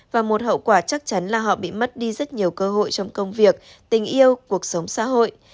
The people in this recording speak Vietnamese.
và một hậu quả chắc chắn là họ bị mất đi rất nhiều cơ hội trong công việc tình yêu cuộc sống xã hội